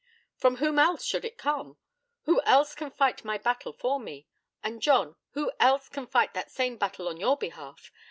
'From whom else should it come? Who else can fight my battle for me; and, John, who else can fight that same battle on your behalf?